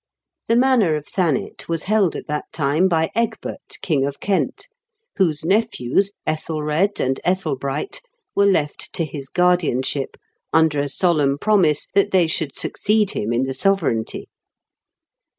The manor of Thanet was held at that time by Egbert, King of Kent, whose nephews, Ethelred and Ethel bright, were left to his guardianship, under a solemn promise that they should succeed him in the sovereignty.